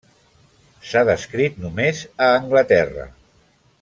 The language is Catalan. S'ha descrit només a Anglaterra.